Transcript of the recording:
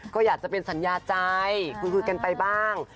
ก็อยากจะเป็นสัญญาใจคุยกันไปบ้าง